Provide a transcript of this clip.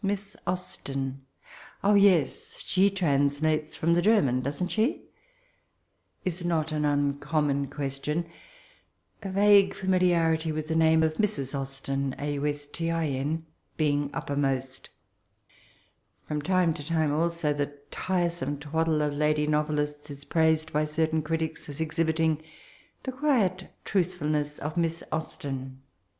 '*MiB8 Austen? Ob, yes; she translates from the German, doesnt shef* is a not uncommon Question— a vague fhmiliarity with the name of Mrs. Austin being upper most From time to time also the tiresome twaddle of lady novdists is praised by certain critics, as exhibi^ ing the quiet truthfulness of Miss Austin."